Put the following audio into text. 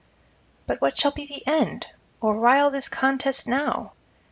But what shall be the end? or why all this contest now?